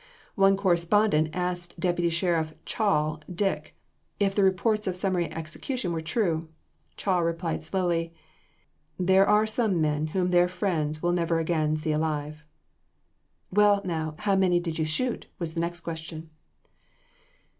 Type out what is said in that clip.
One correspondent asked Deputy Sheriff "Chall" Dick if the reports of summary execution were true. Chall replied slowly: "There are some men whom their friends will never again see alive." "Well, now, how many did you shoot?" was the next question.